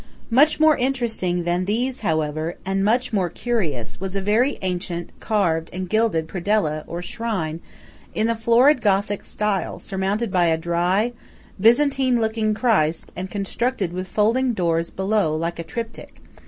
Much more interesting than these, however, and much more curious, was a very ancient carved and gilded Predella, or shrine, in the florid Gothic style, surmounted by a dry, Byzantine looking Christ, and constructed with folding doors below, like a triptych.